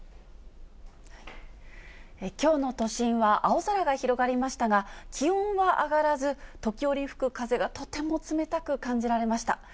きょうの都心は青空が広がりましたが、気温は上がらず、時折吹く風がとても冷たく感じられました。